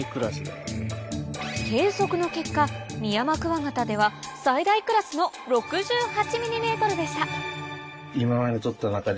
計測の結果ミヤマクワガタでは最大クラスの６８ｍｍでした